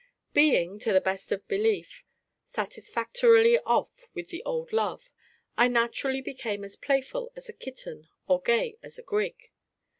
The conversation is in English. _ Being (to my best of belief) satisfactorily off with the old love, I naturally became as playful as a kitten or gay as a grig.